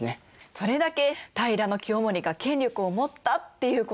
それだけ平清盛が権力を持ったっていうことなんですよね。